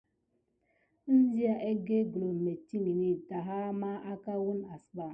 Ənzia egge gulom mettiŋgini daha mà aka wune asba.